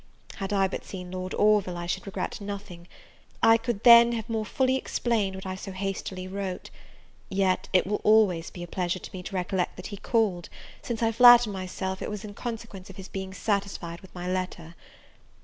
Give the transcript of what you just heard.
Had I but seen Lord Orville, I should regret nothing: I could then have more fully explained what I so hastily wrote; yet it will always be a pleasure to me to recollect that he called, since I flatter myself it was in consequence of his being satisfied with my letter.